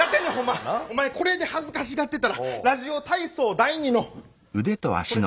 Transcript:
お前これで恥ずかしがってたらラジオ体操第２のこれどうすんねん。